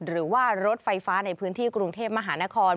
หรือว่ารถไฟฟ้าในพื้นที่กรุงเทพมหานคร